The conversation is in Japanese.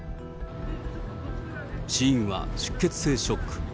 死因は出血性ショック。